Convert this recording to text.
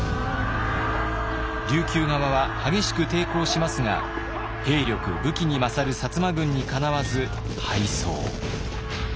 琉球側は激しく抵抗しますが兵力武器に勝る摩軍にかなわず敗走。